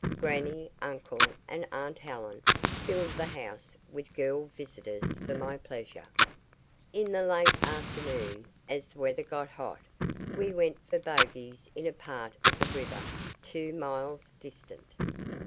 Grannie, uncle, and aunt Helen filled the house with girl visitors for my pleasure. In the late afternoon, as the weather got hot, we went for bogeys in a part of the river two miles distant.